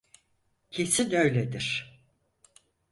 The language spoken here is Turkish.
Kesin öyledir.